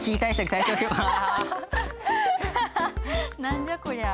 何じゃ？